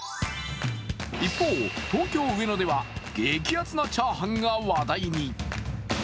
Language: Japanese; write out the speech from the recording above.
一方、東京・上野では激アツなチャーハンが話題に。